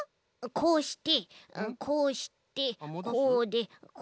こうしてこうしてこうでこうして。